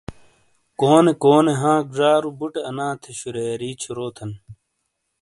کونے کونے ہانک زارُو بُوٹے انا تھے شُرایاری چھُوروتھن!